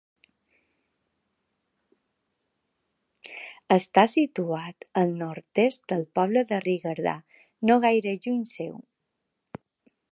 Està situat al nord-est del poble de Rigardà, no gaire lluny seu.